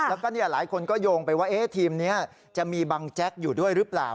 แล้วก็หลายคนก็โยงไปว่าทีมนี้จะมีบังแจ๊กอยู่ด้วยหรือเปล่า